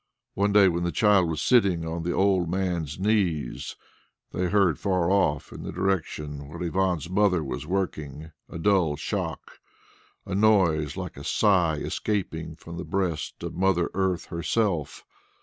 One day when the child was sitting on the old miner's knees, they heard far off in the direction where Ivan's mother was working a dull shock a noise like a sigh escaping from the breast of Mother Earth herself.